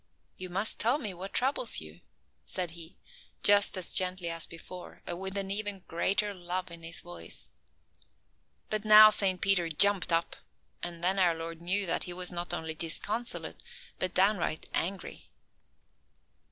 "You must tell me what troubles you," said He, just as gently as before, and with an even greater love in His voice. But now Saint Peter jumped up; and then our Lord knew that he was not only disconsolate, but downright angry.